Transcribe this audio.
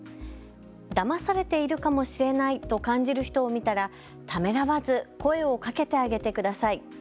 だまされているかもしれないと感じる人を見たら、ためらわず声をかけてあげてください。